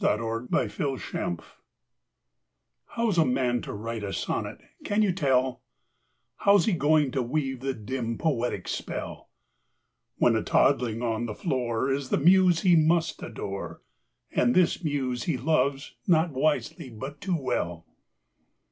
THE POET AND THE BABY How's a man to write a sonnet, can you tell, How's he going to weave the dim, poetic spell, When a toddling on the floor Is the muse he must adore, And this muse he loves, not wisely, but too well?